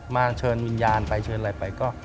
เชิญวิญญาณไปเชิญอะไรไปก็